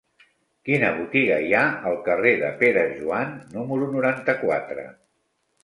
Quina botiga hi ha al carrer de Pere Joan número noranta-quatre?